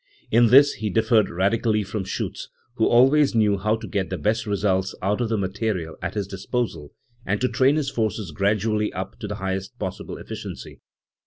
In this he differed radically from Schiitz, who always knew how to get the best results out of the material at his disposal, and to train his forces gradually up to the highest possible efficiency.